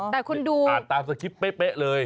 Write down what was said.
แต่คุณดูอ่านตามสคริปต์เป๊ะเลย